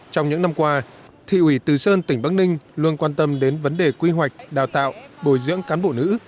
trong những năm qua thị ủy từ sơn tỉnh bắc ninh luôn quan tâm đến vấn đề quy hoạch đào tạo bồi dưỡng cán bộ nữ